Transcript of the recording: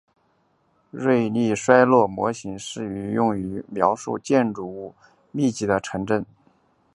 瑞利衰落模型适用于描述建筑物密集的城镇中心地带的无线信道。